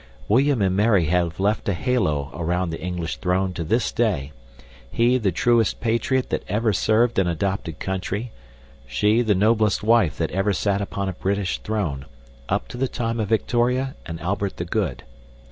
William and Mary have left a halo round the English throne to this day, he the truest patriot that ever served an adopted country, she the noblest wife that ever sat upon a British throne, up to the time of Victoria and Albert the Good.